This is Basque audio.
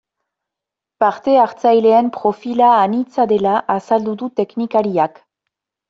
Parte hartzaileen profila anitza dela azaldu du teknikariak.